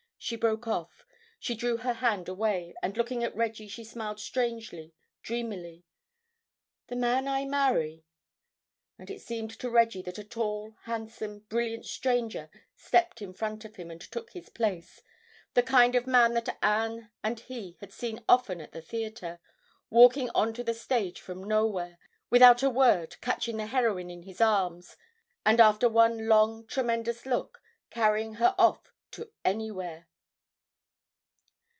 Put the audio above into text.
She broke off. She drew her hand away, and looking at Reggie she smiled strangely, dreamily. "The man I marry—" And it seemed to Reggie that a tall, handsome, brilliant stranger stepped in front of him and took his place—the kind of man that Anne and he had seen often at the theatre, walking on to the stage from nowhere, without a word catching the heroine in his arms, and after one long, tremendous look, carrying her off to anywhere....